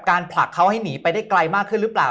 ผลักเขาให้หนีไปได้ไกลมากขึ้นหรือเปล่า